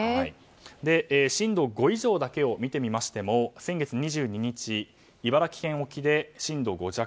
震度５以上だけを見てみましても先月２２日茨城県沖で震度５弱。